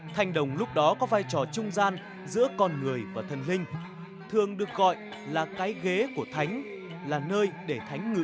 thanh đồng lúc đó có vai trò trung gian giữa con người và thần linh thường được gọi là cái ghế của thánh là nơi để thánh ngựa